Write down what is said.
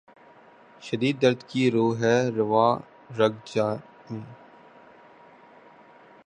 شدید درد کی رو ہے رواں رگ ِ جاں میں